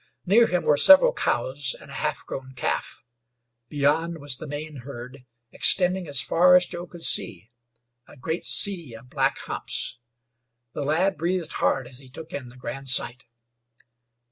Near him were several cows and a half grown calf. Beyond was the main herd, extending as far as Joe could see a great sea of black humps! The lad breathed hard as he took in the grand sight.